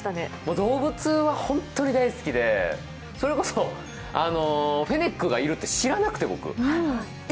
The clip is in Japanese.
動物はホント大好きで、それこそフェニックがいるって知らなくて、僕。